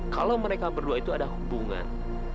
kalau mereka berdua itu ada hubungan